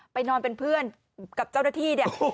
ไปนอนเป็นเพื่อนกับเจ้าหน้าที่เนี่ย